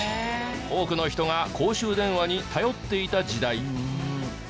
多くの人が公衆電話に頼っていた時代。